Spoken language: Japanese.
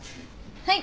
はい。